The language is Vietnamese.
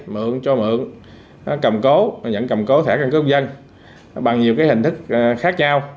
mượn cho mượn cầm cố nhận cầm cố thẻ căn cước dân bằng nhiều hình thức khác nhau